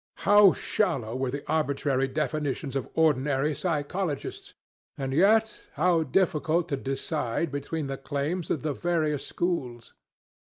How shallow were the arbitrary definitions of ordinary psychologists! And yet how difficult to decide between the claims of the various schools!